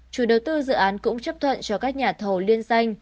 chủ đầu tư dự án cũng chấp thuận cho các nhà thầu liên danh